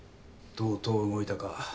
とうとう動いたか。